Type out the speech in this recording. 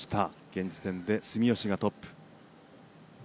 現時点で住吉がトップ。